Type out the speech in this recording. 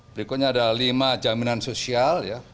berikutnya ada lima jaminan sosial